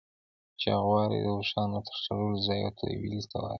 چوغالی د اوښانو د تړلو ځای او تویلې ته وايي.